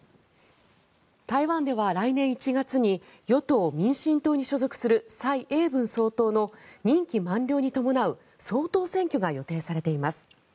台湾では来年１月に与党・民進党に所属する蔡英文総統の任期満了に伴う総統選挙が予定されています。